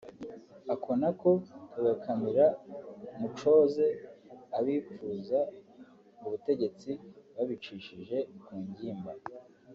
ako na ko kagakamira mu coze abipfuza ubutegetsi babicishije ku ngimba